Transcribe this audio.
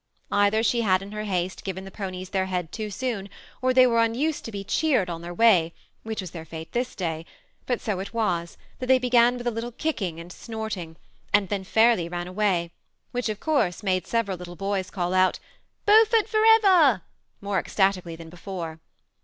Either she had in her haste given the ponies their head too soon, or they were un THE SEMI ATTACHED COUPLE, 271 used to be cheered on their way, which was their fate this day ; but so it was, that they began with a little kicking and snorting, and then fairly ran away, which, of course, made several little boys call out, ^' Beaufort forever I " more ecstatically than before.